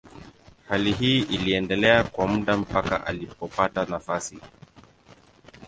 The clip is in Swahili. Hali hii iliendelea kwa muda mpaka alipopata nafasi.